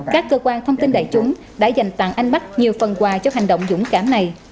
các cơ quan thông tin đại chúng đã dành tặng anh bắc nhiều phần quà cho hành động dũng cảm này